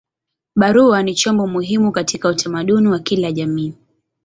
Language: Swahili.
Barua ni chombo muhimu katika utamaduni wa kila jamii.